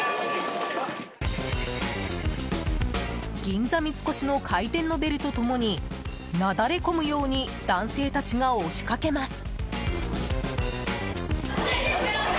銀座三越の開店のベルと共になだれ込むように男性たちが押しかけます。